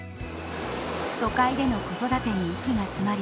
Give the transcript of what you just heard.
都会での子育てに息が詰まり